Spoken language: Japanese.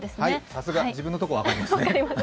さすが、自分のところは分かりますね。